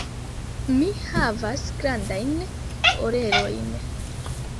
Mi havas grandajn orelojn.